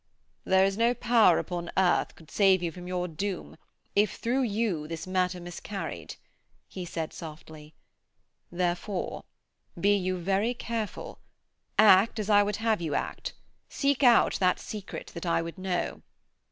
'There is no power upon earth could save you from your doom if through you this matter miscarried,' he said, softly: 'therefore, be you very careful: act as I would have you act: seek out that secret that I would know.'